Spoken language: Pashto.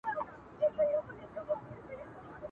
پر بچو باندي په ساندو په ژړا سوه ..